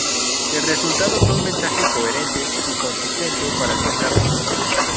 El resultado fue un mensaje coherente y consistente para el mercado.